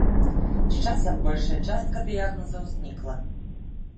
З часам большая частка дыягназаў знікла.